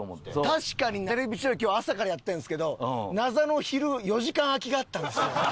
確かに『テレビ千鳥』今日朝からやってるんですけど謎の昼４時間空きがあったんですよ。